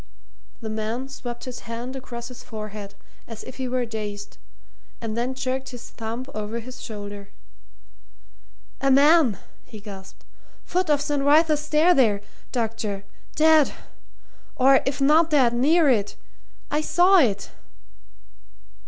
The man swept his hand across his forehead as if he were dazed, and then jerked his thumb over his shoulder. "A man!" he gasped. "Foot of St. Wrytha's Stair there, doctor. Dead or if not dead, near it. I saw it!"